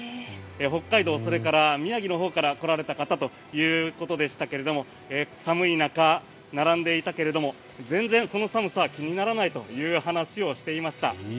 北海道、それから宮城のほうから来られた方ということでしたが寒い中並んでいたけれども全然その寒さは気にならないと話をしていました。